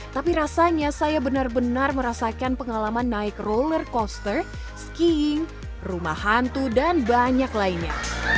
tapi rasanya saya benar benar merasakan pengalaman naik roller coaster skiing rumah hantu dan banyak lainnya